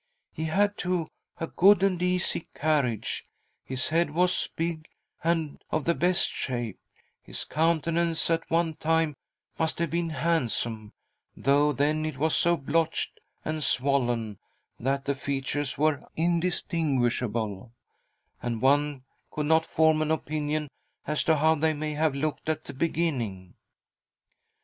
He had, too, a good and easy carriage ; his head was big and of the best shape ; his countenance at one time must have been handsome, though then it was so blotched and swollen that the features were undistinguishable, and one could not form an opinion as to how they may have looked at the beginning.